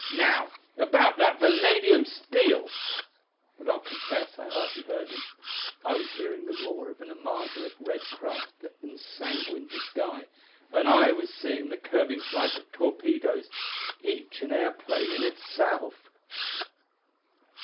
Now, about that vanadium steel " But I'll confess I hardly heard him; I was hearing the roar of an armada of red craft that ensanguined the sky, and I was seeing the curving flight of torpedoes, each an airplane in itself....